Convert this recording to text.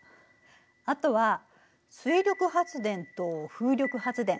あとは水力発電と風力発電。